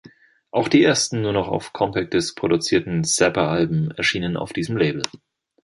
Auch die ersten nur noch auf Compact Disc publizierten Zappa-Alben erschienen auf diesem Label.